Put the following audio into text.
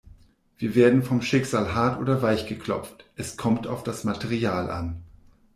Wir werden vom Schicksal hart oder weich geklopft. - Es kommt auf das Material an.